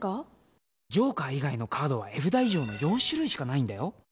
ジョーカー以外のカードは絵札以上の４種類しかないんだよ。